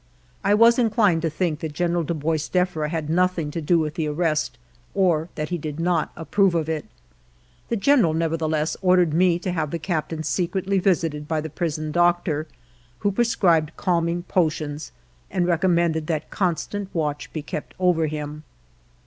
I was inclined to think that General de Boisdeffre had nothing to do with the arrest, or that he did not approve of it. The General, never theless, ordered me to have the Captain secretly visited by the prison doctor, who prescribed calming potions and recommended that constant watch be kept over him.